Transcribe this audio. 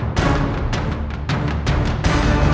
aku bukan persen vacuum